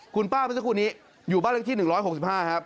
คุณป้าพระเจ้าคู่นี้อยู่บ้านเลือกที่๑๖๕ครับ